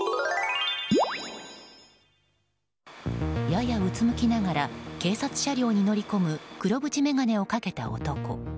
ややうつむきながら警察車両に乗り込む黒縁眼鏡をかけた男。